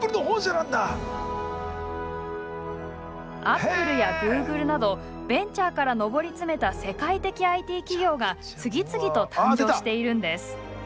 アップルやグーグルなどベンチャーから上り詰めた世界的ＩＴ企業が次々と誕生しているんです。